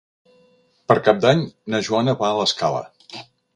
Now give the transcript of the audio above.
Per Cap d'Any na Joana va a l'Escala.